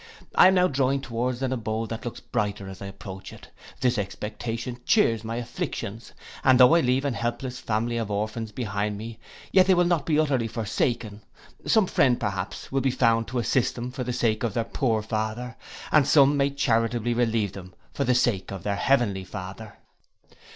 I am now drawing towards an abode that looks brighter as I approach it: this expectation cheers my afflictions, and though I leave an helpless family of orphans behind me, yet they will not be utterly forsaken; some friend, perhaps, will be found to assist them for the sake of their poor father, and some may charitably relieve them for the sake of their heavenly father.